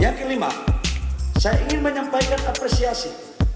yang kelima saya ingin menyampaikan apresiasi